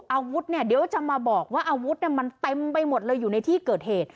อาวุธเนี่ยเดี๋ยวจะมาบอกว่าอาวุธมันเต็มไปหมดเลยอยู่ในที่เกิดเหตุ